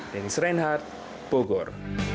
dan sering hati bogor